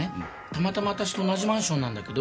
たまたま私と同じマンションなんだけど。